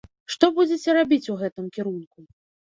Што будзеце рабіць у гэтым кірунку?